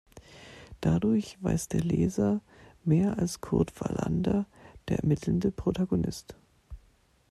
Dadurch weiß der Leser mehr als Kurt Wallander, der ermittelnde Protagonist.